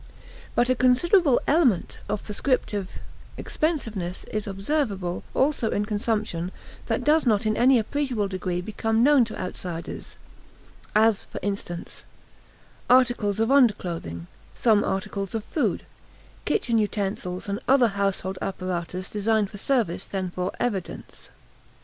But a considerable element of prescriptive expensiveness is observable also in consumption that does not in any appreciable degree become known to outsiders as, for instance, articles of underclothing, some articles of food, kitchen utensils, and other household apparatus designed for service rather than for evidence.